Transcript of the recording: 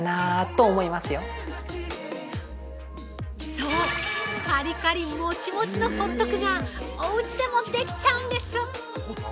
◆そう、カリカリモチモチのホットクが、おうちでもできちゃうんです！